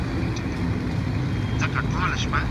د غيرمسلمانانو عزت او ابرو خوندي وي.